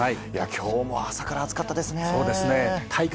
きょうも朝から暑かったですね。